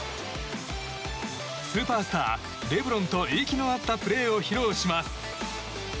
スーパースター、レブロンと息の合ったプレーを披露します。